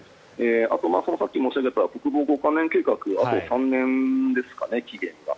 あと、さっき申し上げた国防五カ年計画あと３年ですかね、期限が。